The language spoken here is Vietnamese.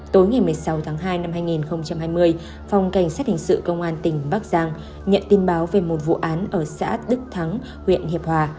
tối ngày một mươi sáu tháng hai năm hai nghìn hai mươi phòng cảnh sát hình sự công an tỉnh bắc giang nhận tin báo về một vụ án ở xã đức thắng huyện hiệp hòa